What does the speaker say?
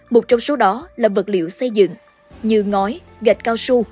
một trong số đó là vật liệu xây dựng như ngói gạch cao su